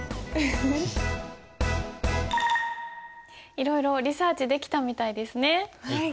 いろいろリサーチできたみたいですね。